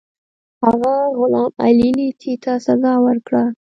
هغه غلام علي لیتي ته سزا ورکړه.